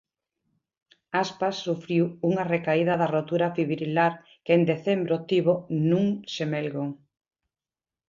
Aspas sufriu unha recaída da rotura fibrilar que en decembro tivo nun xemelgo.